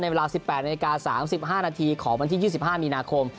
ในเวลา๑๘นาฬิกาสามสิบห้านาทีขอบทิศ๒๕มีนาคม